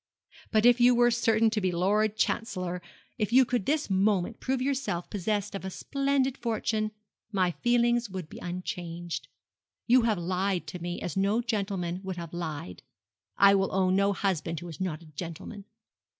But if you were certain to be Lord Chancellor if you could this moment prove yourself possessed of a splendid fortune my feelings would be unchanged. You have lied to me as no gentleman would have lied. I will own no husband who is not a gentleman.'